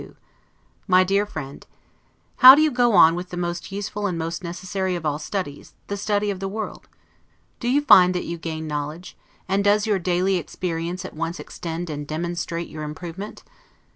S. 1752 MY DEAR FRIEND: How do you go on with the most useful and most necessary of all studies, the study of the world? Do you find that you gain knowledge? And does your daily experience at once extend and demonstrate your improvement?